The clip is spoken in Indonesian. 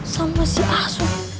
sama si asu